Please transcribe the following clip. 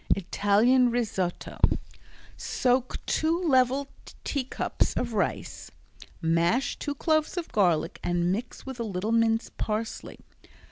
Italian Risotto Soak two level teacups of rice. Mash two cloves of garlic and mix with a little minced parsley.